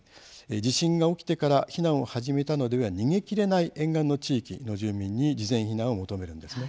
地震が起きてから避難を始めたのでは逃げきれない沿岸の地域の住民に事前避難を求めるんですね。